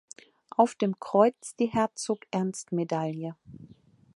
Auf dem Kreuz die Herzog-Ernst-Medaille.